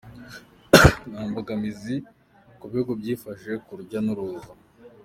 Nta mbogamizi ku bihugu byifashe ku rujya n’uruza